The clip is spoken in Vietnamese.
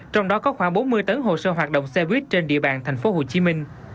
trong đó có khoảng bốn mươi tấn hồ sơ hoạt động xe buýt trên địa bàn tp hcm